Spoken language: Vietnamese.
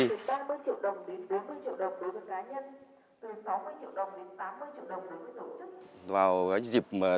từ ba mươi triệu đồng đến bốn mươi triệu đồng đối với cá nhân từ sáu mươi triệu đồng đến tám mươi triệu đồng đối với tổ chức